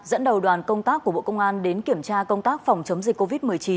dẫn đầu đoàn công tác của bộ công an đến kiểm tra công tác phòng chống dịch covid một mươi chín